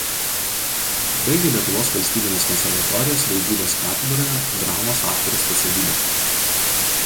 Baigė Lietuvos valstybinės konservatorijos Vaidybos katedroje dramos aktorės specialybę.